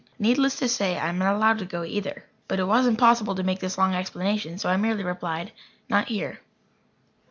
Needless to say, I am not allowed to go either. But it was impossible to make this long explanation, so I merely replied: "Not here."